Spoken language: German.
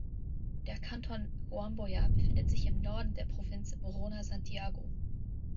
Der Kanton Huamboya befindet sich im Norden der Provinz Morona Santiago.